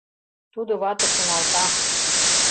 Тудо вате шоналта